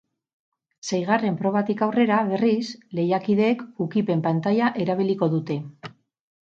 Seigarren probatik aurrera, berriz, lehiakideek ukipen pantaila erabiliko dute.